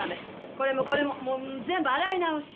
これもこれももう全部洗い直し。